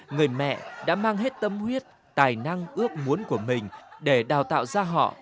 người mẹ đã mang hết tâm huyết tài năng ước muốn của mình để đào tạo ra họ